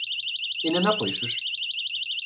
— І не напишеш.